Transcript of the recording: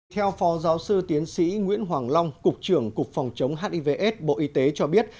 theo phó giáo sư tiến sĩ nguyễn hoàng long cục trưởng cục phòng chống hivs bộ y tế cho biết